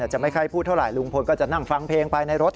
จะไม่ค่อยพูดเท่าไหลุงพลก็จะนั่งฟังเพลงไปในรถ